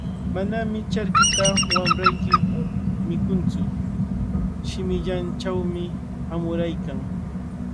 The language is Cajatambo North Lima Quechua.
Manami charkita wamrayki mikuntsu, shimillanchawmi amuraykan.